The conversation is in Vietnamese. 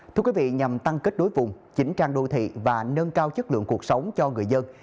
thưa quý vị nhằm tăng kết đối vùng chỉnh trang đô thị và nâng cao chất lượng cuộc sống cho người dân